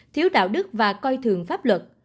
thiếu đạo đức và coi thường pháp luật